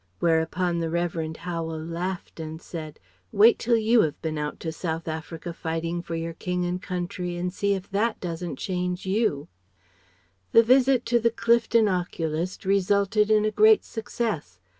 Whereupon the Revd. Howel laughed and said: "Wait till you have been out to South Africa fighting for your king and country and see if that doesn't change you!" The visit to the Clifton oculist resulted in a great success.